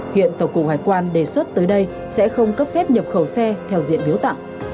hiện tổng cục hải quan đề xuất tới đây sẽ không cấp phép nhập khẩu xe theo diện biếu tặng